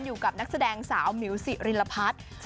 อยู่กับนักแสดงสาวมิ๊วศิริลพัช